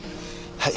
はい。